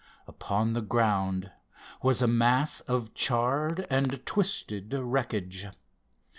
Upon the ground was a mass of charred and twisted wreckage.